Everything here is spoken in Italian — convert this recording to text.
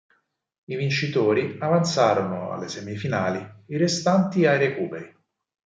I vincitori avanzarono alle semifinali, i restanti ai recuperi.